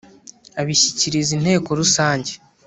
Abishyikiriza inteko rusange .